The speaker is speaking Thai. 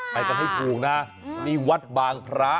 ไปกันให้ถูกนะนี่วัดบางพระ